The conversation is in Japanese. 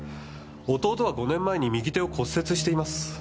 弟は５年前に右手を骨折しています。